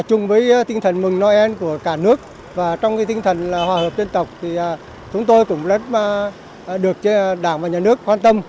chúng tôi cũng rất được đảng và nhà nước quan tâm